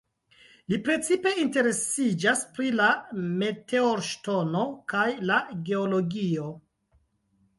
Li precipe interesiĝas pri la meteorŝtonoj kaj la geologio.